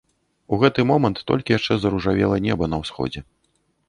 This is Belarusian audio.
У гэты момант толькі яшчэ заружавела неба на ўсходзе.